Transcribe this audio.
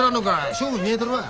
勝負見えとるわ。